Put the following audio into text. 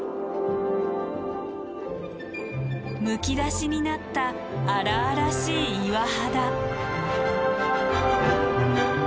むき出しになった荒々しい岩肌。